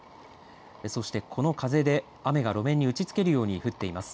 そして、この風で雨が路面に打ちつけるように降っています。